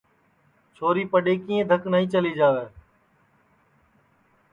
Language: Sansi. چھوری پڈؔیکِئیں دھک نائی چلی جاوے